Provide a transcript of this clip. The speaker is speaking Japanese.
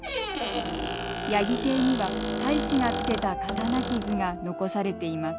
八木邸には隊士がつけた刀傷が残されています。